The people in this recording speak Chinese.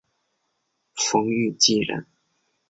冯誉骥人。